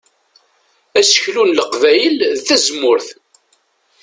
Aseklu n Leqbayel d tazemmurt.